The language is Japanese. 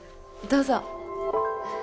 どうぞ。